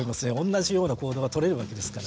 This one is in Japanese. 同じような行動がとれるわけですから。